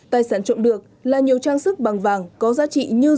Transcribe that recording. tài sản trộm được là nhiều trang sức bằng vàng có giá trị như